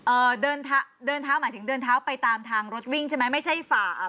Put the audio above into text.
เอ่อเดินเท้าเดินเท้าหมายถึงเดินเท้าไปตามทางรถวิ่งใช่ไหมไม่ใช่ฝ่าอ่า